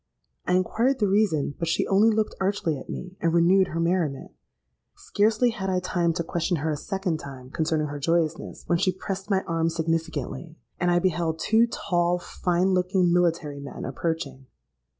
I inquired the reason; but she only looked archly at me, and renewed her merriment. Scarcely had I time to question her a second time concerning her joyousness, when she pressed my arm significantly; and I beheld two tall, fine looking military men approaching.